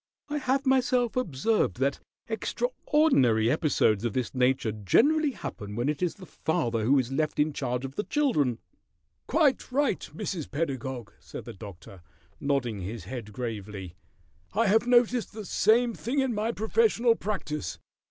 I have myself observed that extraordinary episodes of this nature generally happen when it is the father who is left in charge of the children." "Quite right, Mrs. Pedagog," said the Doctor, nodding his head gravely. "I have noticed the same thing in my professional practice.